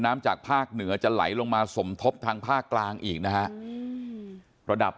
จากภาคเหนือจะไหลลงมาสมทบทางภาคกลางอีกนะฮะระดับ